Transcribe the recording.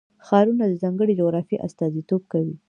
ښارونه د ځانګړې جغرافیې استازیتوب کوي.